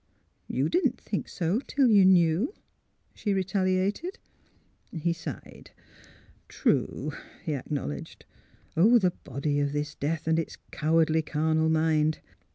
"" You didn't think so, till you knew," she re taliated. He sighed. '' True," he acknowledged. '' Oh, the body of this death, and its cowardly carnal mind!